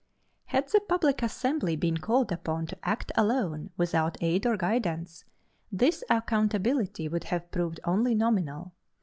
Had the public assembly been called upon to act alone without aid or guidance, this accountability would have proved only nominal.